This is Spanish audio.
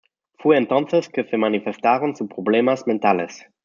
Fue entonces, que se manifestaron sus problemas mentales.